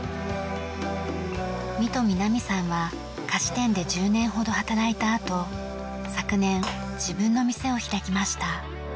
三富奈美さんは菓子店で１０年ほど働いたあと昨年自分の店を開きました。